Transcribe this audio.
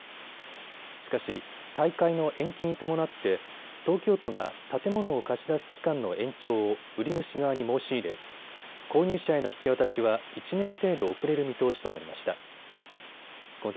しかし大会の延期に伴って東京都が建物を貸し出す期間の延長を売り主側に申し入れ購入者への引き渡しは１年程度遅れる見通しとなりました。